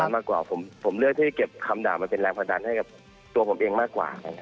มากกว่าผมเลือกที่จะเก็บคำด่ามาเป็นแรงผลดันให้กับตัวผมเองมากกว่า